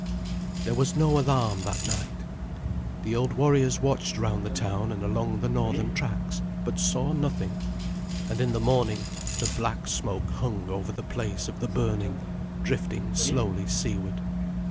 There was no alarm that night. The old warriors watched round the town and along the northern tracks, but saw nothing, and in the morning the black smoke hung over the place of the burning, drifting slowly seaward.